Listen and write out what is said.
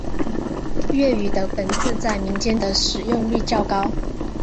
粤语的本字在民间的使用率较高。